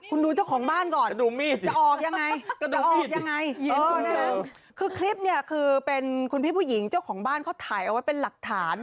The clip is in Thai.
คุณดูเจ้าของบ้านก่อนจะออกยังไงจะออกยังไงคือคลิปเนี่ยคือเป็นคุณพี่ผู้หญิงเจ้าของบ้านเขาถ่ายเอาไว้เป็นหลักฐาน